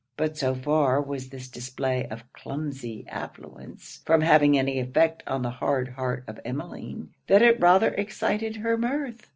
But so far was this display of clumsy affluence from having any effect on the hard heart of Emmeline, that it rather excited her mirth.